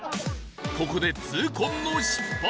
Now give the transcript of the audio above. ここで痛恨の失敗